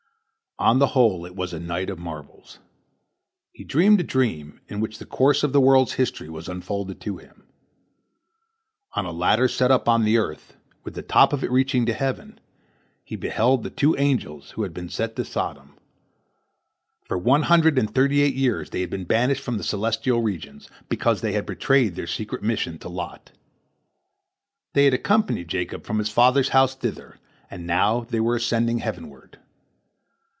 On the whole it was a night of marvels. He dreamed a dream in which the course of the world's history was unfolded to him. On a ladder set up on the earth, with the top of it reaching to heaven, he beheld the two angels who had been sent to Sodom. For one hundred and thirty eight years they had been banished from the celestial regions, because they had betrayed their secret mission to Lot. They had accompanied Jacob from his father's house thither, and now they were ascending heavenward.